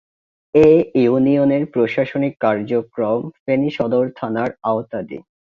এ ইউনিয়নের প্রশাসনিক কার্যক্রম ফেনী সদর থানার আওতাধীন।